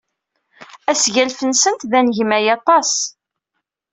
Asgalef-nsent d anegmay aṭas.